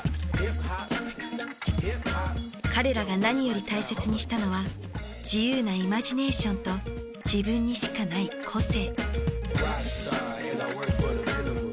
彼らが何より大切にしたのは自由なイマジネーションと自分にしかない個性。